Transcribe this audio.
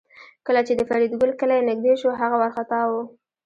کله چې د فریدګل کلی نږدې شو هغه وارخطا و